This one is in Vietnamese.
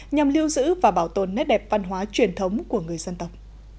nhằm lưu giữ và bảo tồn nét đẹp văn hóa truyền thống của người dân tộc